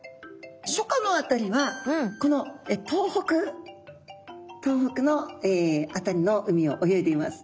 初夏の辺りはこの東北東北の辺りの海を泳いでいます。